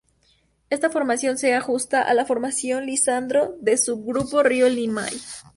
Esta formación se ajusta a la Formación Lisandro del Subgrupo Río Limay.